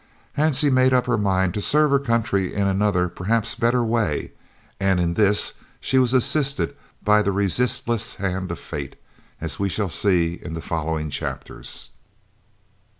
Hansie made up her mind to serve her country in another, perhaps better way, and in this she was assisted by the resistless hand of Fate, as we shall see in the following chapters.